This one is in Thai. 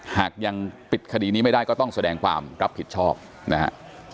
หากยังปิดคดีนี้ไม่ได้ก็ต้องแสดงความรับผิดชอบนะฮะ